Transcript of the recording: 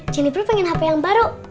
juniper pengen hape yang baru